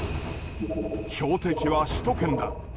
標的は首都圏だ。